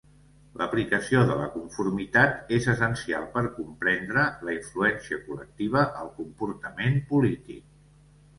L"aplicació de la conformitat és essencial per comprendre la influència col·lectiva al comportament polític.